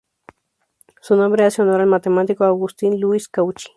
Su nombre hace honor al matemático Augustin Louis Cauchy.